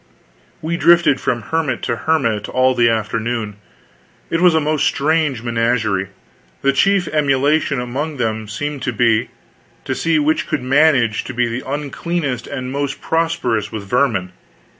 We drifted from hermit to hermit all the afternoon. It was a most strange menagerie. The chief emulation among them seemed to be, to see which could manage to be the uncleanest and most prosperous with vermin.